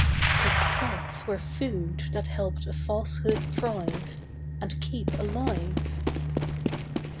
His thoughts were food that helped a falsehood thrive, And keep alive.